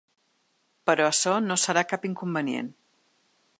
Però açò no serà cap inconvenient.